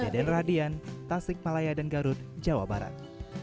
deden radian tasik malaya dan garut jawa barat